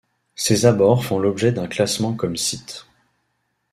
Ses abords font l'objet d'un classement comme site.